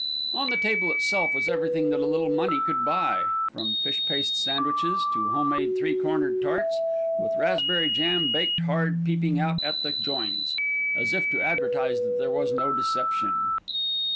On the table itself was everything that a little money could buy, from fish paste sandwiches to home made three cornered tarts, with raspberry jam baked hard peeping out at the joins, as if to advertise that there was no deception.